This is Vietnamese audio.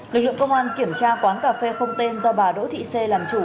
lực lượng công an kiểm tra quán cà phê không tên do bà đỗ thị xê làm chủ